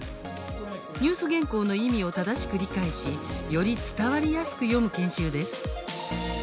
ニュース原稿の意味を正しく理解しより伝わりやすく読む研修です。